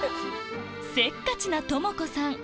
せっかちな智子さん